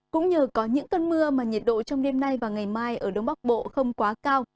cũng như có những cơn mưa mà nhiệt độ trong đêm nay và ngày mai ở đông bắc bộ không quá cao